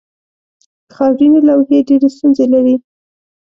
خاورینې لوحې ډېرې ستونزې لري.